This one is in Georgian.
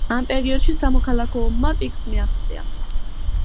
ამ პერიოდში სამოქალაქო ომმა პიკს მიაღწია.